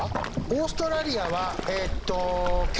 オーストラリアはえっと。